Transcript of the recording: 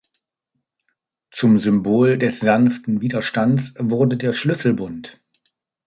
Zum Symbol des sanften Widerstands wurde der Schlüsselbund.